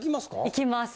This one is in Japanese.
行きます。